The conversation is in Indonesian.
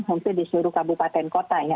hampir di seluruh kabupaten kota ya